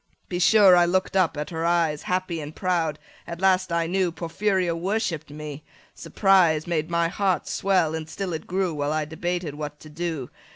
30 Be sure I look'd up at her eyes Happy and proud; at last I knew Porphyria worshipp'd me; surprise Made my heart swell, and still it grew While I debated what to do.